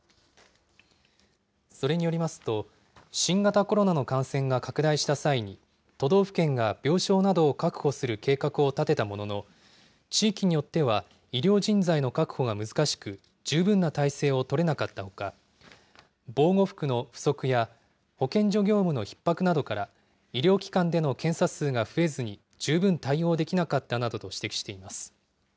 それによりますと、新型コロナの感染が拡大した際に、都道府県が病床などを確保する計画を立てたものの、地域によっては医療人材の確保が難しく、十分な体制を取れなかったほか、防護服の不足や、保健所業務のひっ迫などから、医療機関での検査数が増えずに、十分対応できなかったなどと指摘しています。